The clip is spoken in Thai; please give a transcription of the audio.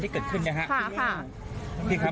ปี๖๕วันเกิดปี๖๔ไปร่วมงานเช่นเดียวกัน